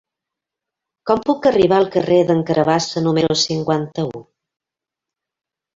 Com puc arribar al carrer d'en Carabassa número cinquanta-u?